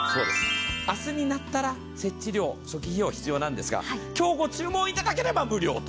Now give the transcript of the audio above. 明日になったら設置料、初期費用必要なんですが今日ご注文いただけば無料。